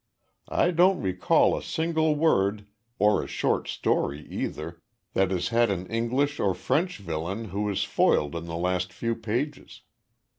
I don't recall a single novel or a short story, either that has had an English or French villain who is foiled in the last few pages.